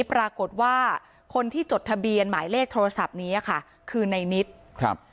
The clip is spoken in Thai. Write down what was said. ปรากฏว่าคนที่จดทะเบียนหมายเลขโทรศัพท์นี้อ่ะค่ะคือในนิดครับ